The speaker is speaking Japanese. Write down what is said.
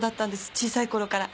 小さいころから。